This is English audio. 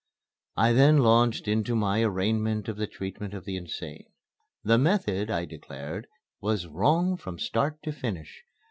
I then launched into my arraignment of the treatment of the insane. The method, I declared, was "wrong from start to finish.